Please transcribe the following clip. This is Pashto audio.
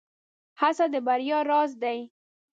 هڅه د بريا راز دی.